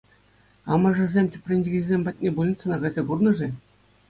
Амӑшӗсем тӗпренчӗкӗсем патне больницӑна кайса курнӑ-ши?